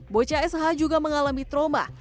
bocah sh juga mengalami trauma